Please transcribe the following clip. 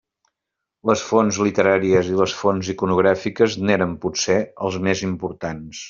Les fonts literàries i les fonts iconogràfiques n'eren potser els més importants.